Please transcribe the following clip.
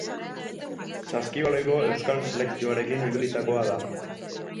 Saskibaloiko euskal selekzioarekin ibilitakoa da.